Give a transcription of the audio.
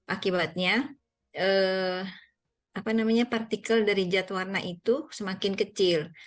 akibatnya partikel dari jadwarna itu semakin kecil